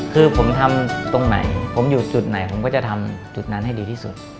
คือผมทำตรงไหนผมอยู่จุดไหนผมก็จะทำจุดนั้นให้ดีที่สุด